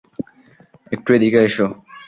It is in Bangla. একটু এদিকে এসো।